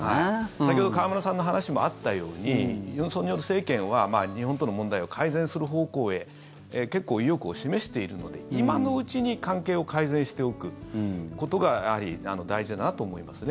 先ほど河村さんの話もあったように尹錫悦政権は日本との問題を改善する方向へ結構、意欲を示しているので今のうちに関係を改善しておくことが大事だなと思いますね。